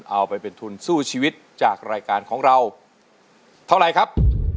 เอาไปเป็นทุนสู้ชีวิตจากรายการของเราเท่าไรครับ